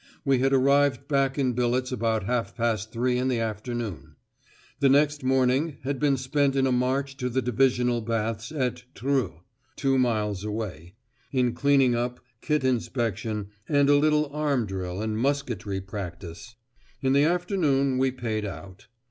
We had arrived back in billets about half past three in the afternoon; the next morning had been spent in a march to the divisional baths at Treux (two miles away), in cleaning up, kit inspection, and a little arm drill and musketry practice; in the afternoon we paid out.